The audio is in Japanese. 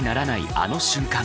あの瞬間。